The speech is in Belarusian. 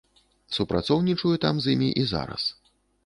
Супрацоўнічаю там з імі і зараз.